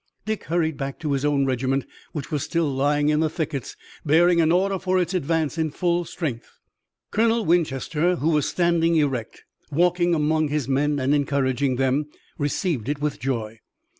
Dick hurried back to his own regiment, which was still lying in the thickets, bearing an order for its advance in full strength. Colonel Winchester, who was standing erect, walking among his men and encouraging them, received it with joy.